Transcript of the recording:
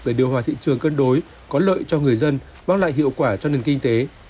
để điều hòa thị trường cân đối có lợi cho người dân mang lại hiệu quả cho nền kinh tế